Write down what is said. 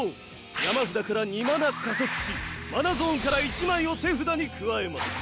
山札から２マナ加速しマナゾーンから１枚を手札に加えます。